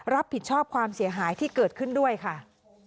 รับผิดชอบความเสียหายที่เกิดขึ้นด้วยค่ะ